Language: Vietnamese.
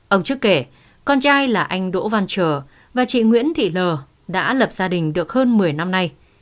ông trước kể con trai là anh đỗ văn trờ và chị nguyễn thị lờ đã lập gia đình được hơn một mươi năm nay